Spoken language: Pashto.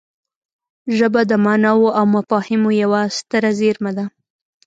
ژبه د ماناوو او مفاهیمو یوه ستره زېرمه ده